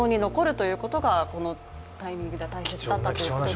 まずは映像に残るということが、このタイミングで大切だったということですね